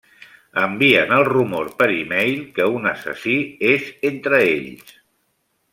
Envien el rumor per e-mail que un assassí és entre ells.